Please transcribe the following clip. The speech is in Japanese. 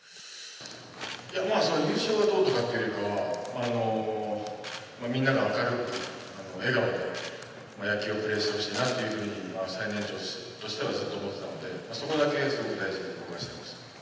そういう優勝がどうとかっていうよりかは、みんなが明るく笑顔で野球をしてほしいなと、最年長としてはずっと思ってたので、そこだけすごく大事に僕はしてました。